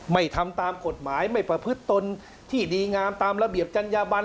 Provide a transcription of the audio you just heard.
ไม่ทำตามกฎหมายไม่ประพฤติตนที่ดีงามตามระเบียบจัญญาบัน